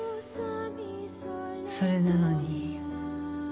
それなのに。